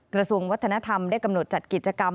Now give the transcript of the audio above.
กระทรวงวัฒนธรรมได้กำหนดจัดกิจกรรม